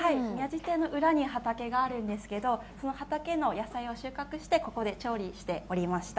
裏に畑があるんですけど、その畑の野菜を収穫してここで調理しておりました。